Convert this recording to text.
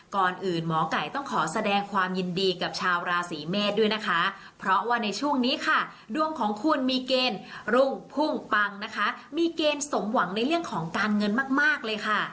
ก่อนอื่นหมอไก่ต้องขอแสดงความยินดีกับชาวราศีเมษด้วยนะคะเพราะว่าในช่วงนี้ค่ะดวงของคุณมีเกณฑ์รุ่งพุ่งปังนะคะมีเกณฑ์สมหวังในเรื่องของการเงินมากเลยค่ะ